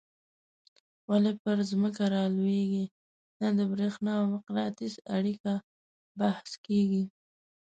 ولي پر ځمکه رالویږي نه د برېښنا او مقناطیس اړیکه بحث کیږي.